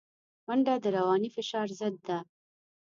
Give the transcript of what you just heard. منډه د رواني فشار ضد ده